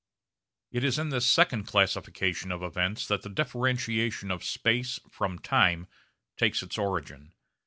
It is in this second classification of events that the differentiation of space from time takes its origin.